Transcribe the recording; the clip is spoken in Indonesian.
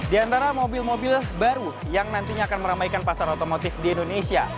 di antara mobil mobil baru yang nantinya akan meramaikan pasar otomotif di indonesia